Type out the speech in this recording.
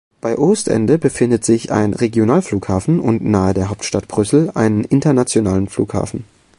Bei Oostende befindet sich ein Regionalflughafen und nahe der Hauptstadt Brüssel einen internationalen Flughafen.